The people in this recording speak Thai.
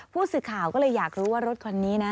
ผู้สื่อข่าวก็เลยอยากรู้ว่ารถคันนี้นะ